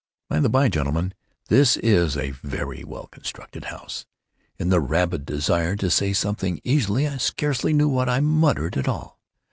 By the bye, gentlemen, this—this is a very well constructed house." (In the rabid desire to say something easily, I scarcely knew what I uttered at all.)